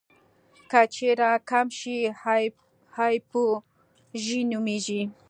که چیرې کم شي هایپوژي نومېږي.